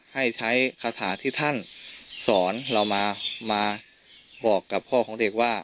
ให้ใช้คาถาที่ท่านสอนเรามาบอกกับพ่อของเด็กว่า